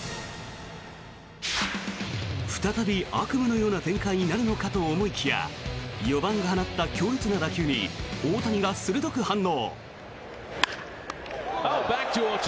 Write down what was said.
再び悪夢のような展開になるのかと思いきや４番が放った強烈な打球に大谷が鋭く反応。